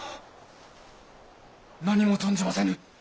何も存じませぬ。